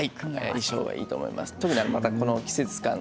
相性がいいと思います。